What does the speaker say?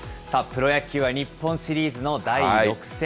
プロ野球は日本シリーズの第６戦。